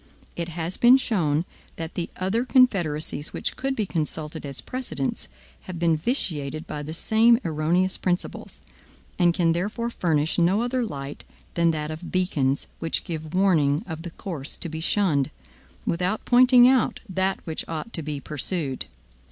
It has been shown, that the other confederacies which could be consulted as precedents have been vitiated by the same erroneous principles, and can therefore furnish no other light than that of beacons, which give warning of the course to be shunned, without pointing out that which ought to be pursued.